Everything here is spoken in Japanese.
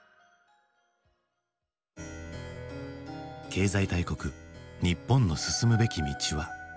経済大国日本の進むべき道は？